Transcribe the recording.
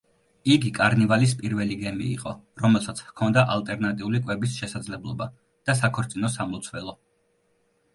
იგი კარნივალის პირველი გემი იყო, რომელსაც ჰქონდა ალტერნატიული კვების შესაძლებლობა და საქორწინო სამლოცველო.